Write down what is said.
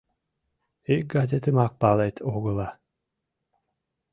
— Ик газетымак палет огыла.